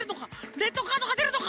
レッドカードがでるのか？